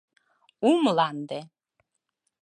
«У МЛАНДЕ»